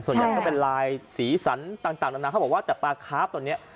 ส่วนใหญ่ก็เป็นลายสีสันต่างนานาเขาบอกว่าแต่ปลาคาร์ฟตอนนี้